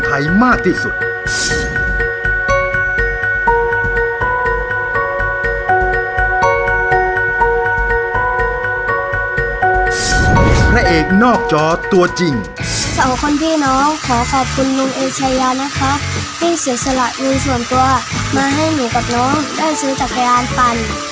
ที่เสียสละมือส่วนตัวมาให้หนูกับน้องได้ซื้อจักรยานปั่น